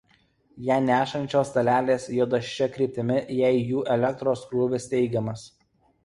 Ją nešančios dalelės juda šia kryptimi jei jų elektros krūvis teigiamas.